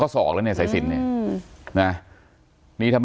การแก้เคล็ดบางอย่างแค่นั้นเอง